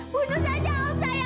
bunuh saja om sayang